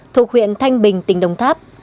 thuộc huyện thanh bình tỉnh đồng tháp